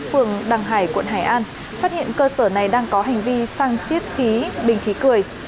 phường đằng hải quận hải an phát hiện cơ sở này đang có hành vi sang chiết khí bình khí cười